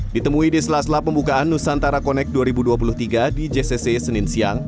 ditemui di sela sela pembukaan nusantara connect dua ribu dua puluh tiga di jcc senin siang